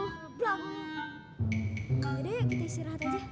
yaudah yuk kita istirahat aja